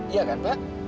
iya kan pak